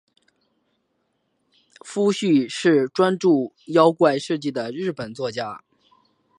夫婿是专注妖怪事迹的日本作家。